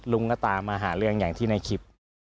ลุงก็ตามมาหาเรื่องอย่างที่ในคลิป